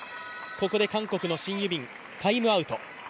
ここで韓国のシン・ユビン、タイムアウト。